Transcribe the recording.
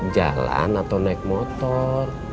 jalan atau naik motor